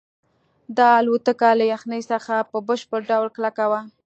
دا الوتکه له یخنۍ څخه په بشپړ ډول کلکه وه